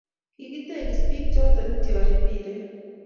Kikitekis pik chaton itjare impiret